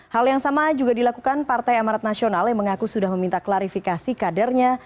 hal yang sama juga dilakukan partai amarat nasional yang mengaku sudah meminta klarifikasi kadernya